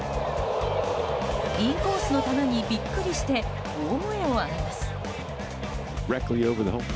インコースの球にビックリして大声を上げます。